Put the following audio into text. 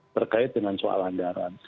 berkait dengan soal anggaran